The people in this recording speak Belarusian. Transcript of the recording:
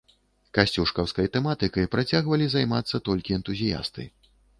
Касцюшкаўскай тэматыкай працягвалі займацца толькі энтузіясты.